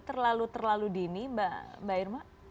terlalu terlalu dini mbak irma